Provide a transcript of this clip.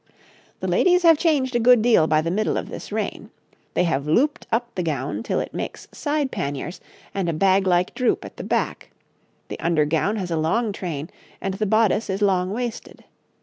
The ladies have changed a good deal by the middle of this reign: they have looped up the gown till it makes side panniers and a bag like droop at the back; the under gown has a long train, and the bodice is long waisted.